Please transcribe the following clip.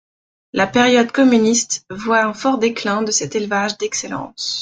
La période communiste voit un fort déclin de cet élevage d'excellence.